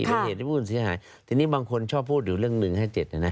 เป็นเหตุให้ผู้เสียหายทีนี้บางคนชอบพูดอยู่เรื่อง๑๕๗นะนะ